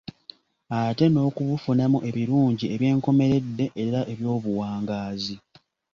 Ate n'okubufunamu ebirungi eby'enkomeredde era eby'obuwangaazi.